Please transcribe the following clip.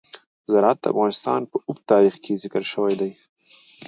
زراعت د افغانستان په اوږده تاریخ کې ذکر شوی دی.